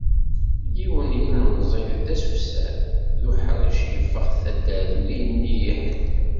Yiwen n yilemẓi d asusam, d uḥric, yeﬀeɣ taddart, ur yenni i ḥedd.